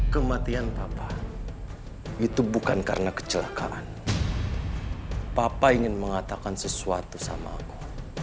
kematian papa itu bukan karena kecelakaan papa ingin mengatakan sesuatu sama aku